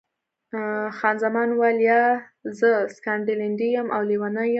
خان زمان وویل، یا، زه سکاټلنډۍ یم او لیونۍ یم.